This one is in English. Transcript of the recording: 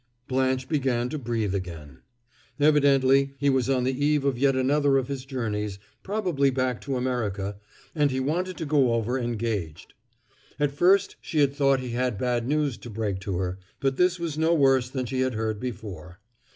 Blanche began to breathe again. Evidently he was on the eve of yet another of his journeys, probably back to America, and he wanted to go over engaged; at first she had thought he had bad news to break to her, but this was no worse than she had heard before.